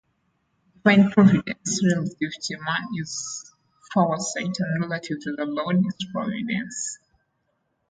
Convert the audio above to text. Divine providence relative to man is 'foresight', and relative to the Lord is 'providence'.